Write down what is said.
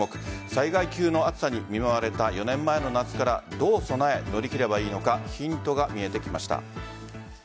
災害級の暑さに見舞われた４年前の夏からどう備え、乗り切ればいいのかヒントが見えてきました。